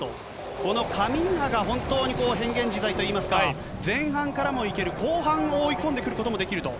このカミンハが本当に変幻自在といいますか、前半からもいける、後半も追い込んでいくことができると。